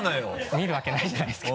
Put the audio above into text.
見るわけないじゃないですか。